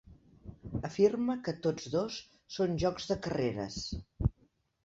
Afirma que tots dos són jocs de carreres.